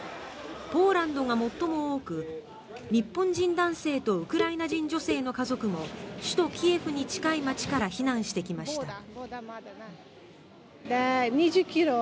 ポーランドが最も多く日本人男性とウクライナ人女性の家族も首都キエフに近い街から避難してきました。